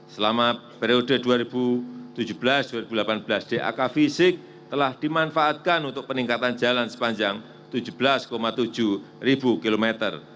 selama periode dua ribu tujuh belas dua ribu delapan belas dak fisik telah dimanfaatkan untuk peningkatan jalan sepanjang tujuh belas tujuh km